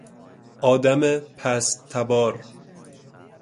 آدم پستتبار